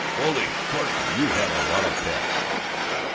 "Bully! Corking! You had a lot of pep."